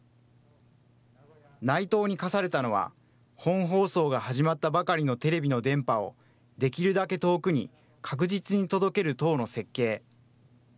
内藤に課されたのは、本放送が始まったばかりのテレビの電波を、できるだけ遠くに、確実に届ける塔の設計。